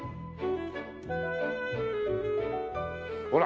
ほら！